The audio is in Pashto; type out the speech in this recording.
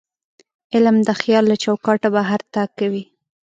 علم د خیال له چوکاټه بهر تګ کوي.